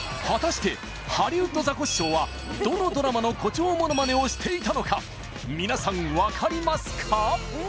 果たしてハリウッドザコシショウはどのドラマの誇張ものまねをしていたのか皆さんわかりますか？